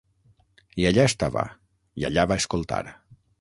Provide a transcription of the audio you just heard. I allà estava, i allà va escoltar.